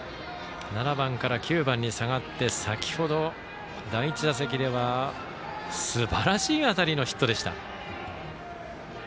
７番から９番に下がって先ほど、第１打席ではすばらしい当たりのヒットでした。